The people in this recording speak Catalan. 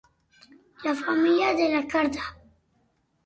La família de la corda.